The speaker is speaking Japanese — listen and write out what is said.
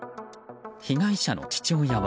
被害者の父親は。